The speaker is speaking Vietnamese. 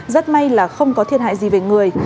rất may là không có thiệt hại gì về người